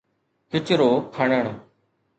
ڪچرو کڻڻ.